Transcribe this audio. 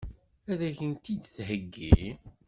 Ad k-tent-id-theggi?